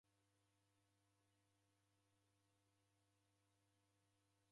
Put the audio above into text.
Naw'ighoria malagho ghose